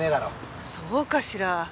そうかしら？